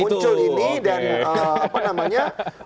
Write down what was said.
muncul ini dan apa namanya